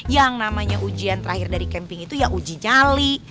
yang namanya ujian terakhir dari camping itu ya uji nyali